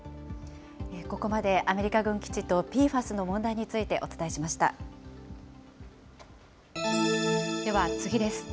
ここまでアメリカ軍基地とＰＦＡＳの問題についてお伝えしまでは次です。